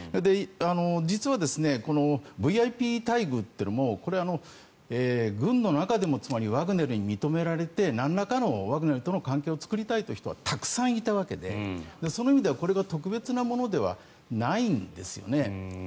実はＶＩＰ待遇というのも軍の中でもつまりワグネルに認められてなんらかのワグネルとの関係を作りたいという人はたくさんいたわけでその意味では、これが特別なものではないんですね。